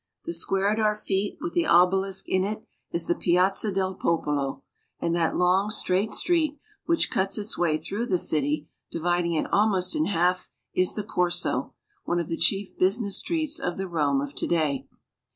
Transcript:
The square at our feet, with the obelisk in it, is the Piazza del Popolo, and that long, straight street, which ROME, THE CAPITAL OF ITALY. 413 cuts its way through the city, dividing it almost in half, is the Corso, one of the chief business streets of the Rome of to day.